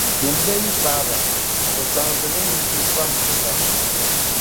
Din be yi paai ba, bɛ zaŋdi li mi m-pa Musa.